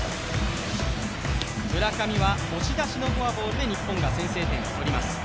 村上は押し出しのフォアボールで日本が先制点を取ります。